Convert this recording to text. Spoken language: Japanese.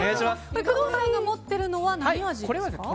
工藤さんが今持ってるのは何味ですか？